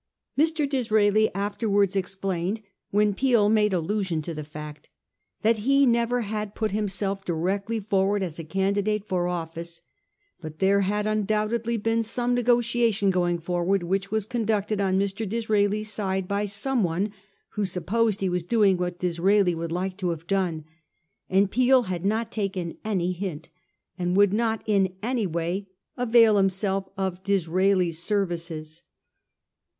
Mr. Disraeli afterwards explained, when Peel made allusion to the fact, that he never had put himself directly forward as a candidate for office ; but there had undoubtedly been some negotiation going forward which was conducted on Mr. Disraeli's side by someone who supposed he was doing what Disraeli would like to have done ; and Peel had not taken any hint, and would not in any way avail himself of Disraeli's services.